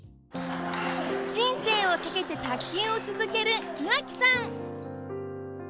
人生をかけて卓球を続ける岩城さん！